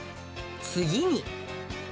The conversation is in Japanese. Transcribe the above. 次に。